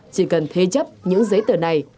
chỉ cần thế chấp những giấy tờ này